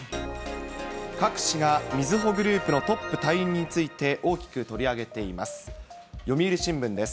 各紙がみずほグループのトップ退任について、大きく取り上げています。